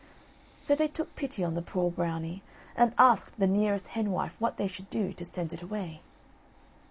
So they took pity on the poor Brownie, and asked the nearest henwife what they should do to send it away.